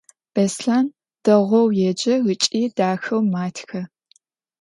Беслъэн дэгъоу еджэ ыкӏи дахэу матхэ.